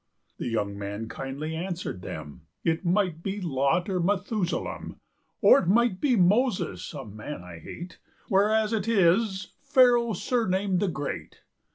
The young man kindly answered them;"It might be Lot or Methusalem, Or it might be Moses (a man I hate)Whereas it is Pharaoh surnamed the Great.